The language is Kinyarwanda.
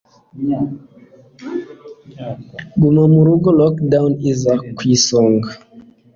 guma murugo (lockdown) iza ku isonga